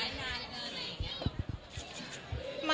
อยากเฟสไหมค่ะ